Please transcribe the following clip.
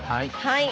はい。